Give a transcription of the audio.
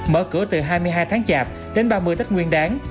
mở cửa từ hai mươi hai tháng chạp đến ba mươi tết nguyên đáng